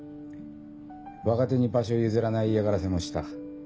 若手に場所譲らない嫌がらせもした。